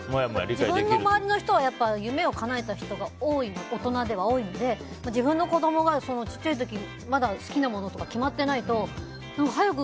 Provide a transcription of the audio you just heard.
自分の周りの人はやっぱり夢をかなえた人が大人では多いので自分の子供が小さい時にまだ好きなものが決まってないと早く！